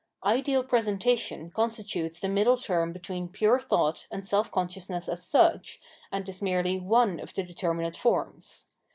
Ideal presentation constitutes the middle term between pure thought and self consciousness as such, and is merely one of the determinate forms.